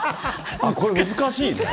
あっ、これ、難しいね。